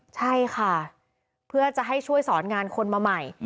ใช่ค่ะเพื่อจะให้ช่วยสอนงานคนมาใหม่